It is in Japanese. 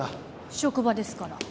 職場ですから。